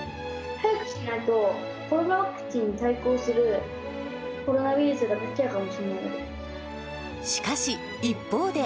早くしないと、コロナワクチンに対抗するコロナウイルスが出来ちゃうかもしれなしかし、一方で。